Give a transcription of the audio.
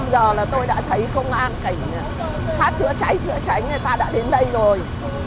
giờ là tôi đã thấy công an cảnh sát chữa cháy chữa cháy người ta đã đến đây rồi